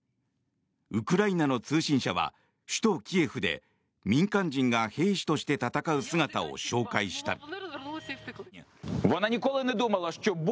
ウクライナの通信社は首都キエフで民間人が兵士として戦う姿を紹介した。